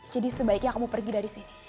jadi sebaiknya kamu pergi dari sini